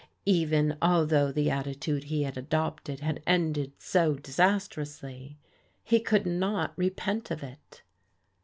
Even although the attitude he had adopted had ended so disastrously, he could not repent of it.